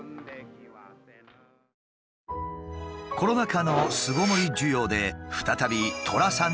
コロナ禍の巣ごもり需要で再び「寅さん」